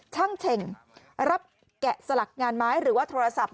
ช่างเฉ่งรับแกะสลักงานไม้หรือว่าโทรศัพท์